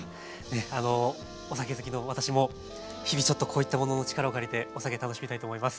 あのお酒好きの私も日々ちょっとこういったものの力を借りてお酒楽しみたいと思います。